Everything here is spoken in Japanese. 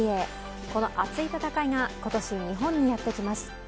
この熱い戦いが今年、日本にやってきます。